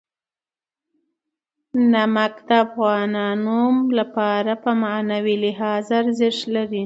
نمک د افغانانو لپاره په معنوي لحاظ ارزښت لري.